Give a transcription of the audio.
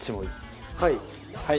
はい。